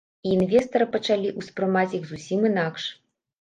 І інвестары пачалі ўспрымаць іх зусім інакш.